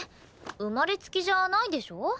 生まれつきじゃないでしょ？